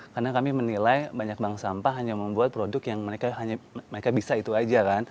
karena kami menilai banyak bank sampah hanya membuat produk yang mereka bisa itu saja